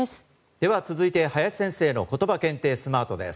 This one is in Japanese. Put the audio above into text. では続いて、林先生のことば検定スマートです。